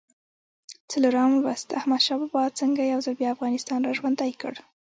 څلورم لوست: احمدشاه بابا څنګه یو ځل بیا افغانستان را ژوندی کړ؟